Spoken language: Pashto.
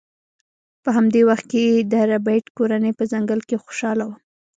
په همدې وخت کې د ربیټ کورنۍ په ځنګل کې خوشحاله وه